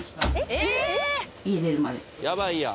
やばいやん！